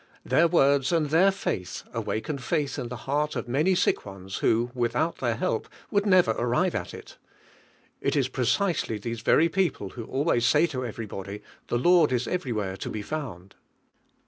Their words and their faith awaken faith in 1 he heart of many sick ones who, with out their help, would never arrive at it. 148 EIVIMIC HEALUW. It is precisely these very people who al ways say to everybody: "The Lord la everywhere to be found."